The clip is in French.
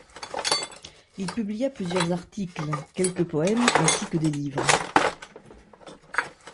Il publia plusieurs articles, quelques poèmes ainsi que des livres.